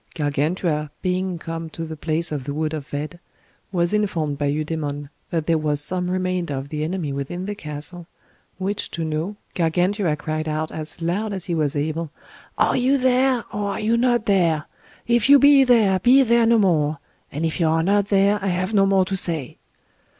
Gargantua, being come to the place of the wood of Vede, was informed by Eudemon that there was some remainder of the enemy within the castle, which to know, Gargantua cried out as loud as he was able, Are you there, or are you not there? If you be there, be there no more; and if you are not there, I have no more to say.